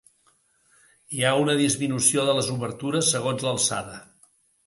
Hi ha una disminució de les obertures segons l'alçada.